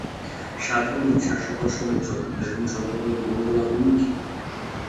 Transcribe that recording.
সাধারণ ইচ্ছা সকল সময়ই যথার্থ এবং জনগণের মংগলাভিমুখী।